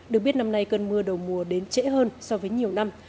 được biết năm nay cơn mưa đầu mùa đến trễ hơn so với nhiều năm